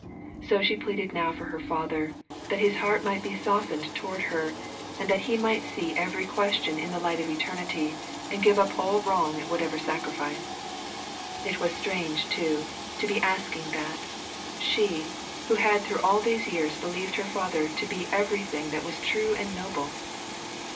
So she pleaded now for her father, that his heart might be softened toward her, and that he might see every question in the light of eternity, and give up all wrong at whatever sacrifice. It was strange, too, to be ask ing that she, who had through all these years believed her father to be everything that was true and noble